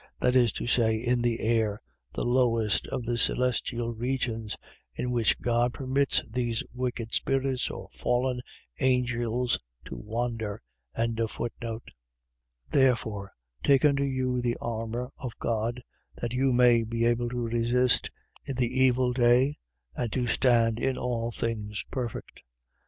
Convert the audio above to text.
. .That is to say, in the air, the lowest of the celestial regions; in which God permits these wicked spirits or fallen angels to wander. 6:13. Therefore, take unto you the armour of God, that you may be able to resist in the evil day and to stand in all things perfect.